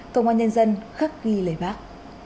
công an nhân dân khắc ghi lời bác